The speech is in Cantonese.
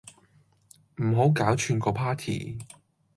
唔好搞串個 party